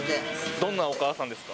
どんなお母さんですか？